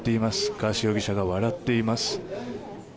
ガーシー容疑者が笑っています。